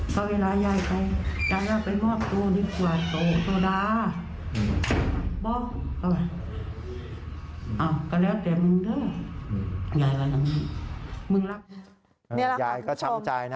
เขาไม่พูดกับจ่าย